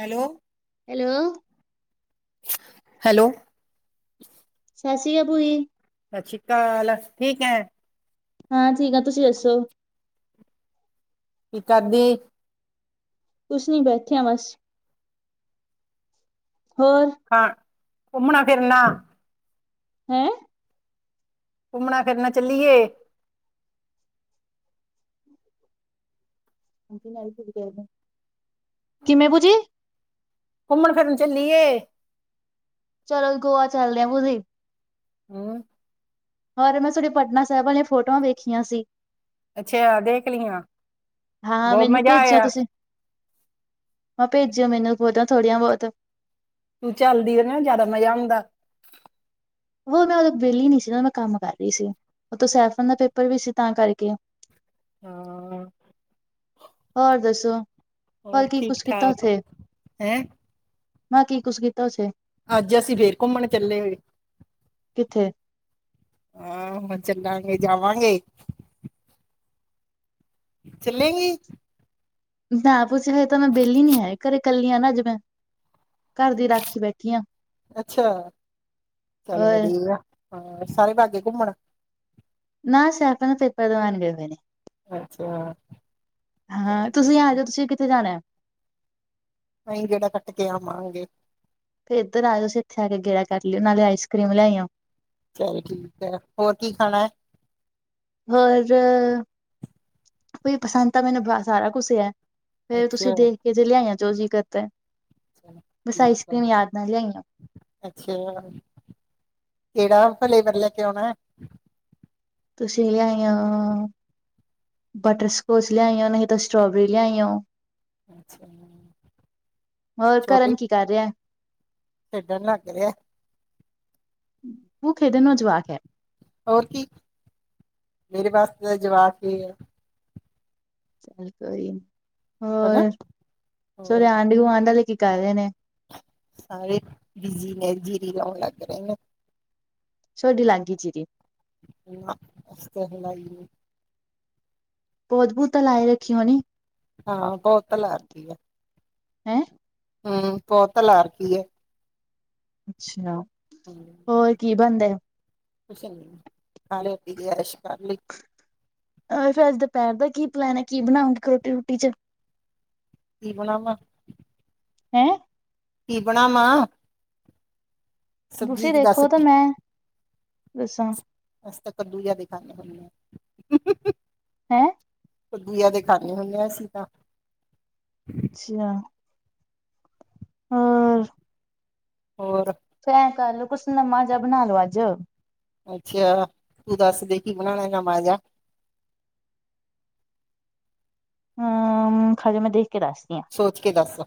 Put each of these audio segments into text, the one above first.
Hello. Hello. Hello. ਸਤਿ ਸ਼੍ਰੀ ਅਕਾਲ ਭੂਈ। ਸਤਿ ਸ਼੍ਰੀ ਅਕਾਲ ਠੀਕ ਹੈ। ਹਾਂ, ਠੀਕ ਆ ਤੁਸੀਂ ਦੱਸੋ? ਕਿ ਕਰਦੀ? ਕੁਝ ਨੀ ਬੈਠੀ ਆ ਬਸ, ਹੋਰ। ਹਾਂ, ਘੁੰਮਣਾ ਫਿਰਨਾ ਹੂੰ। ਘੁੰਮਣਾ ਫਿਰਨਾ ਚੱਲੀਏ? ਕਿਵੇਂ ਭੂਜੀ? ਘੁੰਮਣ ਫਿਰਨ ਚੱਲੀਏ। ਚਲੋ ਗੋਆ ਚੱਲਦੇ ਭੂਜੀ? ਹਮ ਹੋਰ ਮੈਂ ਤੁਹਾਡੇ ਪਟਨਾ ਸਾਹਿਬ ਵਾਲੀਆਂ ਫੋਟੋਆਂ ਵੇਖੀਆਂ ਸੀ। ਅੱਛਾ ਦੇਖ ਲਈਆਂ ਹਾਂ ਬੋਹ ਮੈਨੂੰ ਮਜਾ ਆਇਆ। ਮੈਂ ਭੇਜਿਓ ਮੈਨੂੰ ਬਹੁਤ ਥੋੜੀਆਂ ਬਹੁਤ। ਤੂੰ ਚੱਲਦੀ ਜ਼ਿਆਦਾ ਮਜ਼ਾ ਆਂਦਾ। ਉਹ ਮੈਂ ਉਦੋਂ ਵਿਹਲੀ ਨਹੀਂ ਸੀ ਉਹ ਮੈਂ ਕੰਮ ਕਰ ਰਹੀ ਸੀ ਉਥੋਂ ਸੈਫਨ ਦਾ ਪੇਪਰ ਵੀ ਸੀ ਤਾਂ ਕਰਕੇ। ਹਾਂ। ਹੋਰ ਦੱਸੋ, ਹੋਰ ਕੀ ਠੀਕ ਕੁਛ ਕੀਤਾ ਠਾਕ ਉਥੇ? ਹੈਂ ਹਾਂ ਕੀ ਕੁਛ ਕੀਤਾ ਉੱਥੇ? ਅੱਜ ਅਸੀਂ ਫੇਰ ਘੁੰਮਣ ਚੱਲੇ। ਕਿੱਥੇ? ਆ ਚੱਲਾਂਗੇ ਜਾਵਾਂਗੇ। ਚੱਲੇਗੀ? ਨਾ ਭੂਜੀ ਹਲੇ ਤਾਂ ਮੈਂ ਵਿਹਲੀ ਨੀ ਹੈ ਘਰੇ ਇਕੱਲੀ ਆ ਨਾ ਅੱਜ ਮੈਂ। ਘਰ ਦੀ ਰਾਖੀ ਬੈਠੀ ਆ, ਅੱਛਾ ਚੱਲ ਹੋਰ ਵਧੀਆ ਆ। ਹਾਂ ਸਾਰੇ ਬਾਗੇ ਘੁੰਮਣ? ਨਾ ਸੈਫਨ ਨੂੰ ਪੇਪਰ ਦਬਾਣ ਗਏ ਹੋਏ ਨੇ। ਅੱਛਾ ਚੱਲ ਹਾਂ ਤੁਸੀਂ ਆ ਵਧੀਆ ਜੋ ਤੁਸੀਂ ਕਿੱਥੇ ਜਾਣਾ? ਨਹੀਂ ਗੇੜਾ ਕੱਟ ਕੇ ਆਵਾਂਗੇ। ਫੇਰ ਇਧਰ ਆਜੋ ਤੁਸੀਂ ਇੱਥੇ ਆ ਕੇ ਗੇੜਾ ਕਰ ਲਈਓ ਨਾਲੇ ਆਈਸ ਕਰੀਮ ਲਿਆਈ ਆ। ਚੱਲ ਠੀਕ ਐ ਹੋਰ ਕੀ ਖਾਣਾ। ਹੋਰ ਭੂਜੀ ਪਸੰਦ ਤਾਂ ਮੈਨੂੰ ਸਾਰਾ ਕੁਛ ਐ। ਫੇਰ ਤੁਸੀਂ ਅੱਛਾ ਦੇਖ ਕੇ ਜੇ ਲਿਆਓ ਜੋ ਜੀ ਕਰਦਾ। ਬਸ ਆਈਸ ਠੀਕ ਆ। ਕਰ੍ਰੀਮ ਯਾਦ ਨਾਲ ਲਿਆਈਓ ਅੱਛਾ ਕਿਹੜਾ ਫਲੇਵਰ ਲੈ ਕੇ ਆਣਾ। ਤੁਸੀਂ ਲਿਆਈ ਓ। ਬਟਰ ਸਕੋਚ ਲਿਆਇਓ ਨਹੀਂ ਤਾਂ ਸਟ੍ਰਾਬੇਰੀ ਲਿਆਈ ਓ। ਹੈ ਅੱਛਾ ਹੋਰ ਛੋਟੀ ਕਰਨ ਕੀ ਕਰ ਰਿਹਾ? ਖੇਡਣ ਲੱਗ ਰਿਹਾ। ਉਹ ਖੇਡਣ ਨੂੰ ਜਵਾਕ ਐ। ਹੋਰ ਕੀ ਮੇਰੇ ਵਾਸਤੇ ਤਾਂ ਜਵਾਕ ਈ ਐ। ਚੱਲ ਕੋਈ ਨੀ ਹਨਾ ਹੋਰ ਥੋਡੇ ਹੋਰ ਆਂਢੀ ਗੁਆਂਂਢ ਦੇ ਕੀ ਕਰ ਰਹੇ ਨੇ? ਸਾਰੇ ਬਿਜੀ ਨੇ ਜੀਰੀ ਲਾਉਣ ਲੱਗ ਰਹੇ ਨੇ। ਥੋਡੀ ਲਾਗੀ ਜੀਰੀ। [unintelligible] ਪੋਦ ਪੁਦ ਤਾਂ ਲਾਏ ਰੱਖੀ ਹੋਣੀ। ਹਾਂ ਪੋਦ ਤਾਂ ਲਾ ਰੱਖੀ ਆ। ਹੈਂ? ਪੋਦ ਤਾਂ ਲਾ ਰੱਖੀ ਆ। ਅੱਛਾ ਹੂੰ, ਹੋਰ ਕੀ ਬਣਦਾ? ਕੁਛ ਨੀ ਖਾ ਲਿਆ ਪੀ ਲਿਆ ਐਸ਼ ਕਰ ਲਈ। ਫੇਰ ਅੱਜ ਦੁਪਹਿਰ ਦਾ ਕੀ ਪਲੈਨ ਐ ਕੀ ਬਣਾਓਗੇ ਰੋਟੀ ਰੂਟੀ ਚ ਕੀ ਬਣਾਵਾਂ। ਹੈ, ਕੀ ਬਣਾਵਾਂ। ਸਬਜ਼ੀ ਤੁਸੀਂ ਚ ਦੱਸ ਦੇਖੋ ਤਾਂ ਕੀ ਮੈਂ ਦੱਸਾ। ਅ ਤਾਂ ਕੱਦੂ ਜ਼ਿਆਦਾ ਖਾਨੇ ਹੁੰਦੇ ਆ। ਹੈਂ! ਦੂਆ ਦੇ ਖਾਂਦੇ ਹੁੰਦੇ ਹ ਅਸੀਂ ਤਾਂ ਅੱਛਾ। ਹੋਰ ਹੋਰ? ਅੱਛਾ ਐ ਗੱਲ, ਕੁੱਛ ਨਵਾਂ ਜਿਹਾ ਬਣਾਲੋ ਅੱਜ। ਅੱਛਾ ਤੂੰ ਦੱਸਦੇ, ਕੀ ਬਣਾਣਾ ਨਮਾ ਜਾ। ਖੜਜਾ ਮੈਂ, ਦੇਖਕੇ ਦੱਸ ਸੋਚਕੇ ਦੱਸ?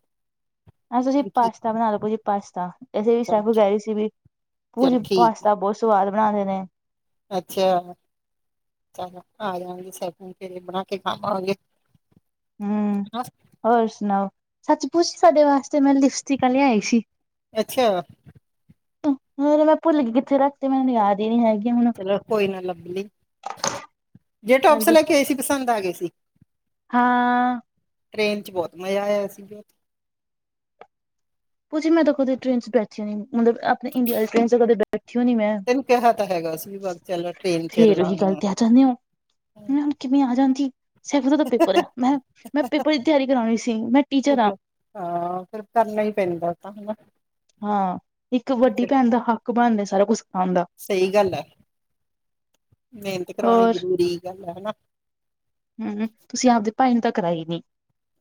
ਅੱਛਾ, ਤੁਸੀਂ ਵੀ ਕੀ ਪਾਸਤਾ ਬਣਾਲੋ, ਤੁਸੀ ਪਾਸਤਾ ਵੈਸੇ ਵੀ ਚੱਲ ਸੈਫੁ ਕਹਿ ਰਹੀ ਸੀ ਵੀ ਚੱਲ ਭੂਜੀ, ਠੀਕ ਪਾਸਤਾ ਬਹੁਤ ਸਵਾਦ ਬਣਾਂਦੇ ਨੇ। ਅੱਛਾ। ਚ ਆ ਜਾਓਗੇ, ਸੈਫੁ ਬਣਾਕੇ ਖਾਵਾਂਗੇ। ਹੂੰ, ਹਨਾ ਹੋਰ ਸੁਣਾਓ? ਸੱਚ ਪੁਛ ਸਾਡੇ ਵਾਸਤੇ ਮੈਂ ਲਿਪਸਟਿਕਾਂ ਲਿਆਈ ਸੀ। ਅੱਛਾ! ਮੈਂ, ਭੁੱਲਗੀ ਕਿੱਥੇ ਰੱਖ ਤੇ, ਮੈਨੂੰ ਯਾਦ ਹੀ ਨੀ ਹੈਗੀਆਂ ਹੁਣ। ਚਲੋ ਕੋਈ ਨਾ ਲੱਭ ਲੀ, ਜੇ ਟੋਪਸ ਹਾਂਜੀ ਲੈਕੇ ਆਏ ਸੀ, ਪਸੰਦ ਆਗੇ‌ ਸੀ। ਹਾਂ। ਟ੍ਰਰੇਨ'ਚ ਬਹੁਤ ਮਜ਼ਾ ਆਇਆ, ਸੀਗਾ। ਭੁਜੀ ਮੈਂ ਤਾਂ ਖੁਦੀ ਟ੍ਰੇਨ'ਚ ਬੈਠੀ ਹੋਈ ਆਂ, ਮਤਲਬ ਇੰਡੀਆ‌ ਵਾਲੀ ਟ੍ਰੇਨ'ਚ ਕਦੇ ਬੈਠੀ ਓ ਨੀ ਮੈਂ, ਤੈਨੂੰ ਕਿਹਾ ਤਾਂ ਹੈਗਾ ਸੀ ਵੀ ਵਗ ਚੱਲ ਟ੍ਰੇਨ ਚ ਫੇਰ ਉਹੀ ਲਾਂਗੇ ਗੱਲ ਤੇ ਆ ਜਾੰਦੇ ਹੋ। ਮੈ ਹੁਣ ਕਿਵੇਂ ਆ ਜਾਂਦੀ, ਸੈਫੁ ਦਾ ਪੇਪਰ ਹੈ, ''ਮੈਂ, ਮੈਂ ਪੇਪਰ ਦੀ ਤਿਆਰੀ ਕਰਾਉਣੀ ਸੀ ਮੈਂ ਟੀਚਰ ਆ ਹਾਂ, ਫਿਰ ਕਰਨਾ ਹੀ ਪੈਂਦਾ ਤਾਂ ਹਨਾ। ਹਾਂ, ਇੱਕ ਵੱਡੀ ਭੈਣ ਦਾ ਹੱਕ ਬਣਦਾ, ਸਾਰਾ ਕੁਛ ਸਿਖਾਣ ਦਾ। ਸਹੀ ਗੱਲ ਐ, ਮਿਹਨਤ ਕਰਵਾਉਣੀ ਹੋਰ ਜ਼ਰੂਰੀ ਗੱਲ ਹੈ ਹਨਾ। ਹੂੰ, ਹੂੰ, ਤੁਸੀਂ ਆਪਦੇ ਭਾਈ ਨੂੰ ਤਾਂ ਕਰਾਈ ਨੀ।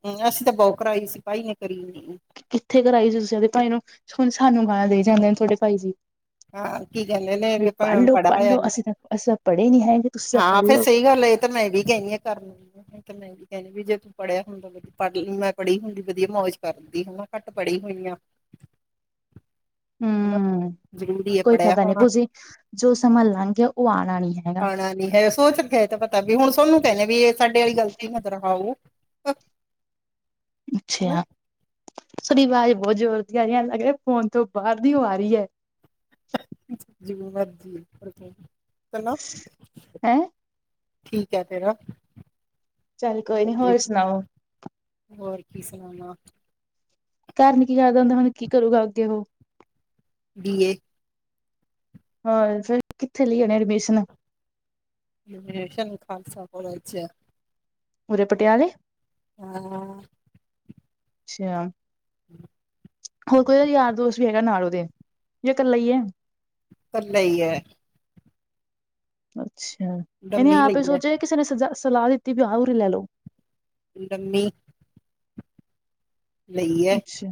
ਹੂੰ, ਅਸੀਂ ਤਾਂ ਬਹੁ ਕਰਾਈ ਸੀ, ਬਾਈ ਨੇ ਕਰੀ ਨੀ। ਕਿੱਥੇ ਕਰਾਈ ਸੀ ਤੁਸੀਂ ਆਪਦੇ ਭਾਈ ਨੂੰ, ਹੁਣ ਸਾਨੂੰ ਗਾਣਾ ਦੇਈ ਜਾਂਦੇ ਨੇ ਤੁਹਾਡੇ ਭਾਈ ਜੀ। ਹਾਂ, ਕੀ ਕਹਿੰਦੇ ਨੇ ਵੀ ਭੈ ਪੜ੍ਹ ਲੋ ਪੜ੍ਹ ਪੜ੍ਹਾਲਿਆ, ਲੋ ਅਸੀਂ ਤਾਂ ਅਸੀਂ ਤਾਂ ਪੜ੍ਹੇ ਨੀ ਹੈਗੇ ਤੁਸੀਂ ਤਾਂ ਹਾਂ ਪੜ੍ਹ ਫੇਰ ਲੋ ਸਹੀ ਗੱਲ ਐ। ਇੱਧਰ ਮੈਂ ਵੀ ਕਹਿੰਨੀ ਆ ਕਰ, ਇੱਥੇ ਤੇ ਮੈਂ ਵੀ ਕਹਿੰਨੀ ਵੀ, ਜੇ ਤੂੰ ਪੜ੍ਹਿਆ ਹੁੰਦਾ ਪੜ੍ਹਲੀ, ਮੈਂ ਪੜ੍ਹੀ ਹੁੰਦੀ ਵਧੀਆ ਮੌਜ ਕਰਦੀ, ਹਨਾ ਘੱਟ ਪੜ੍ਹੀ ਹੋਈ ਆਂ। [inaudible] ਹਨਾ ਹੂੰ ਜ਼ਰੂਰੀ ਹੈ ਕੋਈ ਪੜ੍ਹਿਆ ਫਾਇਦਾ ਨਹੀਂ, ਹੋਣਾ। ਭੂਜੀ ਜੋ ਸਮਾਂ ਲੰਘਗਿਆ, ਉਹ ਆਣਾ ਨੀ ਹੈਗਾ। ਨਾ ਨਹੀਂ ਹੈ, ਸੋਚਕੇ ਤੇ ਪਤਾ ਵੀ ਹੁਣ ਸੋਨੂੰ ਕਹਿਨੇ ਆ ਵੀ ਇਹ ਸਾਡੇ ਵਾਲੀ ਗ਼ਲਤੀ ਨਾ ਕਰਵਾਓ। ਹਨਾ ਅੱਛਾ। ਸੋਡੀ ਆਵਾਜ਼ ਬਹੁਤ ਜੋ਼ਰ ਆ ਰਹੀਆ, ਐਂ ਲੱਗ ਰਿਹਾ ਫੋਨ ਤੋਂ ਬਾਹਰ ਦੀ ਓਹ ਆ ਰਹੀ ਹੈ। ਜਿਵੇਂ ਮਰਜ਼ੀ [inaudible] ਲਾ ਹੈਂ ਠੀਕ ਹੈ, ਫਿਰ ਚੱਲ ਕੋਈ ਨੀ ਹੋਰ ਸੁਣਾਓ ਹੋਰ ਕੀ ਸੁਣਣਾ ਘਰ ਨੀ ਕੀ ਯਾਦ ਆਉਂਦਾ, ਹੁਣ ਕੀ ਕਰੂਗਾ, ਅੱਗੇ ਉਹ? ਬੀਏ। ਹੋਰ, ਫਿਰ ਕਿੱਥੇ ਲਈ ਓਹਨੇ ਐਡਮਿਸ਼ਨ? ਐਡਮਿਸ਼ਨ ਖਾਲਸਾ ਕੌਲੇਜ'ਚ ਆ। ਉੂਰੇ ਪਟਿਆਲੇ? ਹਾਂ ਅੱਛਾ। [inaudible] ਹੋਰ ਕੋਈ ਉਹਦਾ ਯਾਰ ਦੋਸਤ ਵੀ ਹੈਗਾ ਨਾਲ ਉਹਦੇ, ਯਾ ਇਕੱਲਾ ਹੀ ਐ? ਇਕੱਲਾ ਹੀ ਹੈ। ਅੱਛਾ। ਇਹਨੇ ਡੰਮੀ ਆਪ ਹੀ ਲਈ ਹੈ ਸੋਚਿਆ, ਯਾ ਕਿਸੇ ਨੇ ਸਲਾਹ ਦਿੱਤੀ ਵੀ ਆਹ ਉਰੇ ਲੈਲੋ? ਊਦਮ‌ ਨੇ‌। ਲਈ ਹੈ ਅੱਛਾ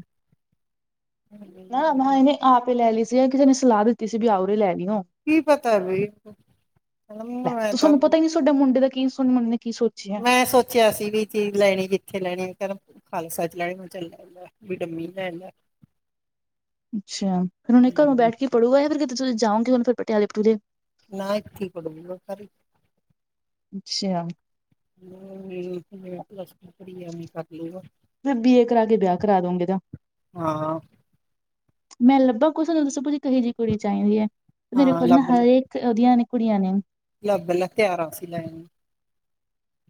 ਨਾ ਮ ਇਹਨੇ ਆਪੇ ਲੈ ਲਈ ਸੀ ਜਾਂ ਕਿਸੇ ਨੇ ਸਲਾਹ ਦਿੱਤੀ ਸੀ ਵੀ ਆਓਰੇ ਲੈ ਲਈਓ। ਕੀ ਪਤਾ ਭਇ ਹੈਦ ਮ ਤ ਤੁਹਾਡਾ ਮੁੰਡੇ ਦਾ ਕੀ ਸੁਣ ਕੀ ਸੋਚਿਆ। ਮੈਂ ਸੋਚਿਆ ਸੀ ਵੀ ਚੀਜ਼ ਲੈਣੀ ਕਿੱਥੇ ਲੈਣੀ ਕਹਿੰਦਾ ਖਾਲਸਾ ਚ ਲੈਣੀ ਮ ਚੱਲੈ। ਵੀਟਮੀ ਲ ਅੱਛਾ ਫਿਰ ਉਹਨੇ ਘਰੋਂ ਹਮ, ਬੈਠ ਕੇ ਪੜੂਗਾ ਫੇਿਰ ਕਿਤੇ ਤੁਸੀਂ ਜਾਓਂਗੇ ਹੁਨ ਪਟਿਆਲੇ ਪਟੂਲੇ। ਨਾਥੀ ਪੜ ਖਾਰੀ। ਅੱਛਾ। ਪੱਸ ਪੜੀ ਆਵੇ ਕਰ ਲ ਵ ਯਾ ਬੀ ਏ ਕਰਾ ਕੇ ਵਿਆਹ ਕਰਾ ਦੋਗੇ ਐਦਾ। ਹਾਂ ਮੈਂ ਲੱਭਾ ਕੁਛ ਦੱਸੋ ਕਹੇੋ ਜਿਹੀ ਕੁੜੀ ਚਾਹੀਦੀ ਹੈ ਮੇਰੇ ਹਾਂ ਕੋਲ ਨਾ ਲੱਭ ਲੈ ਹਰੇਕ। ਉਹਦੀਆਂ ਨੇ ਕੁੜੀਆਂ ਨੇ ਲੱਭ ਲ ਤਿਆਰ ਆ ਸੀ ਲੈ ਨੂੰ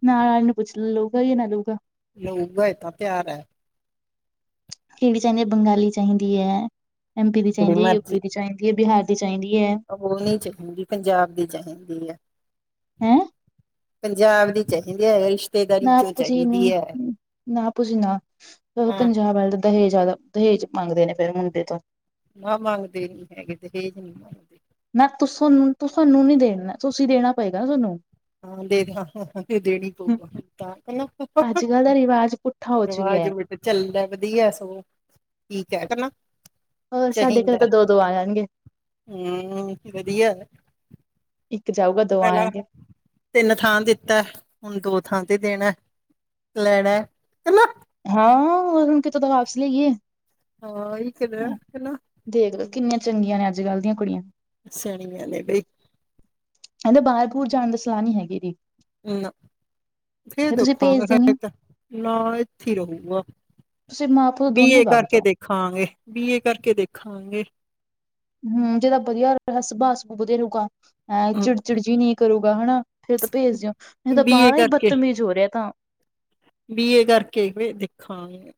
ਨਾਲ ਨਾਲ ਨੂੰ ਪੁੱਛ ਲਊਗਾ ਜਾਂ ਨਾ ਲੂਗਾ। ਲਊਗਾ ਏ ਤਾਂ ਤਿਆਰ ਹੈ। ਕਿਹੜੀ ਚਾਹੀਦੀ ਹੈ ਬੰਗਾਲੀ ਚਾਹੀਦੀ ਹੈ, ਐੱਮ ਪੀ ਦੀ ਜਿਹੜੀ ਚਾਹੀਦੀ ਹੈ, ਯੂ ਮਰਜ਼ੀ ਪੀ ਦੀ ਚਾਹੀਦੀ ਹੈ, ਬਿਹਾਰ ਦੀ ਚਾਹੀਦੀ ਹੈ। ਉਹ ਨਹੀ ਚਾਹੀਦੀ ਪੰਜਾਬ ਦੀ ਚਾਹੀਦੀ ਆ। ਹੈਮ। ਪੰਜਾਬ ਦੀ ਚਾਹੀਦੀ ਹੈ। ਰਿਸ਼ਤੇਦਾਰੀ ਚੋਂ ਨਾਪਸੀ ਚਾਹੀਦੀ ਹੈ ਨਹੀਂ ਨਾ ਪੁਛ ਨਾ ਹਾਂ ਪੰਜਾਬ ਵਾਲ ਦਹੇਜਾਂ ਦਾ ਦਹੇਜ ਮੰਗਦੇ ਨੇ ਕਈ ਮੁੰਡੇ ਤੋਂ। ਨਾ ਮੰਗਦੇ ਨੀ ਹੈਗੇ ਦਹੇਜ ਨੀ ਮੰਗਦੇ। ਨਾ ਤੁਸਨੂੰ ਤੁਸਨੂੰ ਨੀ ਦੇਣਾ ਤੁਸੀਂ ਦੇਣਾ ਪਏਗਾ ਨਾ ਤੁਹਾਨੂੰ। ਹਾਂ ਹਾਂ ਦੇਣੀ ਪਗਾ ਤਾਂ। ਕੱਲ੍ਹ ਦਾ ਅੱਜ ਰਿਵਾਜ ਪੁੱਠਾ ਹੋ ਚੁੱਕਿਆ ਹੈ। ਲਗਦੀ ਹੈ ਸਗੋਂ ਠੀਕ ਹੈ ਕੇ ਨਾ। ਹੋਰ ਸਾਡੇ ਘਰੇ ਚਾਹੀਦਾ ਤਾਂ ਦੋ ਦੋ ਆ ਜਾਣਗੇ ਹਮ ਵਧੀਆ। ਇੱਕ ਜਾਊਗਾ ਦੋ ਆਣੇ ਪਹਿਲਾਂ ਕੇ। ਤਿੰਨ ਥਾਂ ਦਿੱਤਾ ਹੁਣ ਦੋ ਥਾਂ ਤੇ ਦੇਣਾ ਲੈਣਾ ਹਨ। ਹਾਂ ਹੁਨ ਕੇ ਦਵਾਪਸ ਲਈਏ। ਹਾਂ ਕਿਦੇਨਾ ਹ ਦੇਖ ਲੋ ਕਿੰਨੀਆਂ ਚੰਗੀਆਂ ਨੇ ਅੱਜ ਕੱਲ੍ਹ ਦੀਆਂ ਕੁੜੀਆਂ। ਸਣੀੀਆਂ ਨੇ ਬਈ ਕਹਿੰਦੇ ਬਾਹਰ ਬੂਰ ਜਾਣ ਦੀ ਸਲਾਹ ਨਹੀਂੀ ਹੈਗੀ ਜੀ। ਨਾ ਫਿਰ ਦੇਖਾਂਗੇ ਭੇਜਦੇ ਫ ਨੀ ਤਾਂ ਨਾ ਇੱਥੇ ਰਹੂਗਾ। ਤੁਸੀਂ ਮਾਂ ਪਿਓ ਦੋਨੇ ਬੀਏ ਵਗ ਕਰਕੇ ਜਾਓ ਦੇਖਾਂਗੇ ਬੀਏ ਕਰਕੇ ਦੇਖਾਂਗੇ। ਹਮ ਜਿਹਦਾ ਵਧੀਆ ਸੁਭਾਅ ਸੁ ਵਧੀਆ ਰਹੇਗਾ। ਹੂੰ ਚਿੜਚਿੜ ਜੀ ਨਹੀਂ ਕਰੂਗਾ ਹਨਾ ਫੇਰ ਤਾਂ ਭੇਜ ਦਿਓ ਇਹ ਤਾਂ ਬੀ ਏ ਬਾਹ ਹੀ ਬਦਤਮੀਜ਼ ਹੋ ਰਿਹਾ ਤਾਂ। ਬੀਏ ਕਰਕੇ ਦੇਖਾਂਗੇ।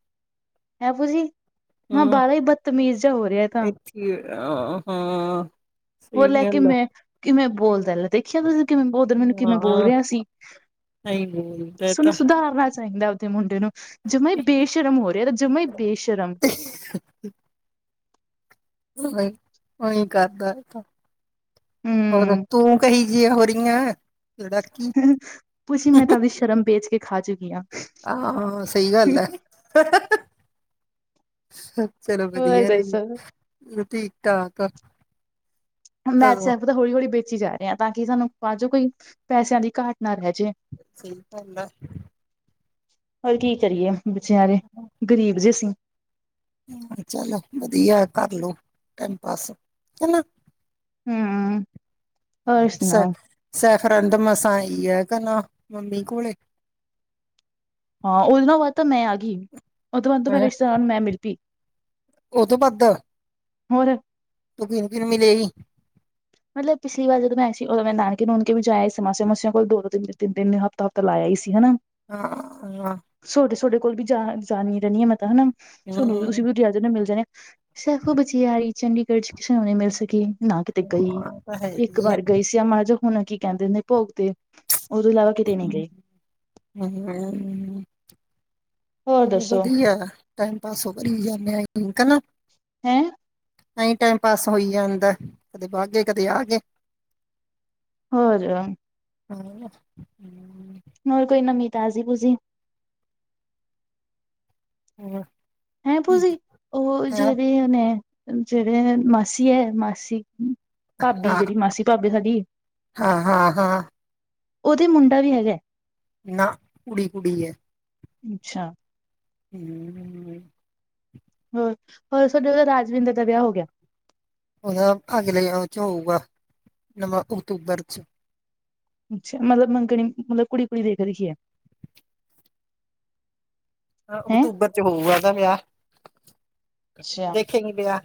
ਹੈਂ ਪੂਸੀ। ਮੈਂ ਹੂੰ ਬਾਹਾ ਹੀ ਬਦਤਮੀਜ਼ ਜਹਾ ਹੋ ਰਿਹਾ ਤਾਂ। ਇੱਥੇ ਅ ਹਾਂ ਉਹ ਸਹੀ ਲੈ ਕੇ ਗੱਲ ਮੈਂ ਕਿਵੇਂ ਬੋਲਦਾ ਲੈ। ਦੇਖਿਆ ਤੁਸੀਂ ਕਿਵੇਂ ਉਧਰ ਮੈਨੂੰ ਕਿਵੇਂ ਬੋਲ ਰਿਹਾ ਸੀ। ਹਈ। ਸਹਨੂੰ ਸੁਧਾਰਨਾ ਚਾਹੀਦਾ ਉਹਦੇ ਮੁੰਡੇ ਨੂੰ ਜਮਾ ਹੀ ਬੇਸ਼ਰਮ ਹੋ ਰਿਹਾ ਤਾਂ ਜਮਾ ਹੀ ਬੇਸ਼ਰਮ। ਉਹੀ ਉਹੀ ਕਰਦਾ ਤਾਂ ਹੋਰ ਹਮ ਤੂੰ ਕਹੀ। ਜੀ ਹੋ ਰਹੀਆਂ। ਤੁਸੀੀ ਮੈਂ ਤਾਂਦੀ ਸ਼ਰਮ ਵੇਚ ਕੇ ਖਾ ਚੁੱਕੀ ਹਾਂ। ਹਾਂ ਸਹੀ ਗੱਲ ਹੈ। ਚਲੋ ਹੋਰ ਵਧੀਆ ਦੱਸੋ? ਰ ਠੀਕ ਠਾਕ ਆ ਮੈਥ ਸੈਫ ਤਾਂ ਹੌਲੀ ਹੌਲੀ ਵੇਚੀ ਜਾ ਰਿਹੇ ਹ ਤਾਂ ਕਿ ਸਾਨੂੰ ਬਾਅਦ ਚ ਕੋਈ ਪੈਸਿਆਂ ਦੀ ਘਾਟ ਨਾ ਰਹਿ ਜੇ [unintelligible] ਹੋਰ ਕੀ ਕਰੀਏ ਬੱਚਿਆਂ ਦੇ ਗ਼ਰੀਬ ਜੇ ਅਸੀਂ ਚੱਲ ਵਧੀਆ ਕਰਲੋ ਟੈਮ ਪਾਸ ਚਲੋ ਹੂੰ ਹੋਰ [unintelligible] ਸੁਣਾਓ? ਮਸਾਂ ਈ ਹੈ ਕਨਾ ਮੰਮੀ ਕੋਲੇ ਹਾਂ ਉਦਨੋਂ ਬਾਅਦ ਤਾਂ ਮੈਂ ਆ ਗਈ [unintelligible] ਹੈਂ ਉਹ [inaudible] ਮਿਲੇ ਹੀ ਮਤਲਬ ਪਿਛ ਵ ਜਦੋਂ ਮੈਂ ਸੀ ਉਦੋਂ ਨਾਨਕੇ ਨੂਣ ਕੇ ਵੀ ਜਾਏ ਸੀ ਮਾਸੀਆਂ ਮਾਸੀਆਂ ਕੋਲ ਦੋ ਤਿੰਨ ਤਨ ਹਫ਼ਤਾ ਹਫ਼ਤਾ [unintelligible] ਸੀ ਹਨਾ ਹਾਂ [unintelligible] ਸਾਡੇ ਸਾਡੇ ਕੋਲ ਵੀ ਜਾ ਜਾਣੀ ਰਹਿੰਦੀ ਆ ਮੈਂ ਤਾਂ ਹਨਾ ਸਾਨੂੰ ਵੀ ਤੁਸੀਂ ਵੀ ਹਮ ਨੂੰ ਮਿਲ ਜਾਣੇ ਸੈਖੋ ਬਚੇ ਆਾਰੀ ਚੰਡੀਗੜ੍ਹ ਚ ਕਿਸੇ ਨੂੰ ਨਹੀਂ ਮਿਲ ਸਕੇ ਨਾ ਕਿਤੇ ਗਈ ਤਾਂ ਹੈ ਇੱਕ ਹੀ ਹੈ ਵਾਰ ਗਈ ਸੀ ਆ ਮਹਾਰਾਜਾ ਹੁਣ ਕੀ ਕਹਿੰਦੇ ਨੇ ਭੋਗ ਤੇ ਉਹ ਤੋਂ ਇਲਾਵਾ ਕਿਤੇ ਨੇ ਗਏ [unintelligible] ਹੋਰ ਚਲੋ ਦੱਸੋ ਵਧੀਆ ਟਾਈਮ ਪਾਸ ਉਹ ਕਰੀ ਜਾਂਦੇ ਠੀਕ ਏ ਨਾ ਹੈਂ ਹੁਣ ਟਾਈਮ ਪਾਸ ਹੋਈ ਜਾਂਦਾ ਕਦੇ ਬ ਗਏ ਕਦੇ ਆ ਗਏ। ਹੋ ਗਿਆ [unintelligible] ਹੋਰ ਕੋਈ ਨਮੀ ਤਾਜ਼ੀ ਬੂਜੀ। [unintelligible] ਹੈਂ ਭੂਜੀ ਉਹ ਹਾਂ ਜਿਹੜੇ ਉਹਨੇ ਜਿਹੜੇ ਮਾਸੀ ਏ ਮਾਸੀ। ਭਾਬੀ ਜਿਹੜੀ ਮਾਸੀ ਭਾਬੀ ਸਾਡੀ ਹਾਂ ਹਾਂ ਹਾਂ ਉਹਦੇ ਮੁੰਡਾ ਵੀ ਹੈਗਾ। ਨਾ ਕੁੜੀ -ਕੁੜੀ ਏ। ਅੱਛਾ। ਹੂੰ। ਹੋਰ ਹੋਰ ਸਾਡੇ ਉਹਦਾ ਰਾਜਵਿੰਦਰ ਦਾ ਵਿਆਹ ਹੋ ਗਿਆ ਉਹਣ ਅਗਲੇ ਆ ਚ ਹੋਊਗਾ ਨ ਅਕਤੂਬਰ ਚ ਅੱਛਾ ਮਤਲਬ ਮੰਗਣੀ ਮਤਲਬ ਕੁੜੀ ਕੁੜੀ ਦੇਖ ਰੱਖੀ ਏ ਹੈਂ ਅਕਤੂਬਰ ਚ ਹੋਊਗਾ ਉਹਦਾ ਵਿਆਹ ਅੱਛਾ ਦੇਖੇਗੀ ਵਿਆਹ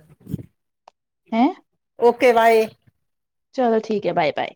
ਹੈਂ ਓਕੇ ਬਾਏ ਚਲੋ ਠੀਕ ਐ ਬਾਏ ਬਾਏ